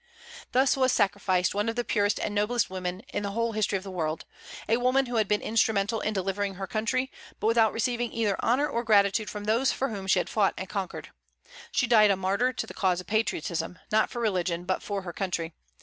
Thus was sacrificed one of the purest and noblest women in the whole history of the world, a woman who had been instrumental in delivering her country, but without receiving either honor or gratitude from those for whom she had fought and conquered. She died a martyr to the cause of patriotism, not for religion, but for her country.